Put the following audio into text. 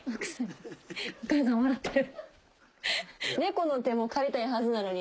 猫の手も借りたいはずなのに。